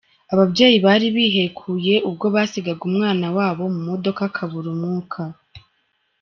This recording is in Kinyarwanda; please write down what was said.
Ababyeyi bari bihekuye ubwo basigaga umwana wabo mu modoka akabura umwuka